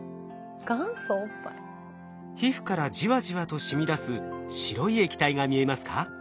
皮膚からじわじわと染み出す白い液体が見えますか？